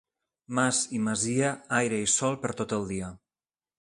Mas i masia, aire i sol per tot el dia.